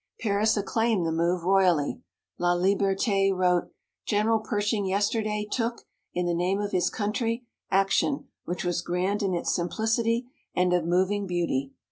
Paris acclaimed the move royally. La Liberté wrote: "General Pershing yesterday took, in the name of his country, action which was grand in its simplicity and of moving beauty.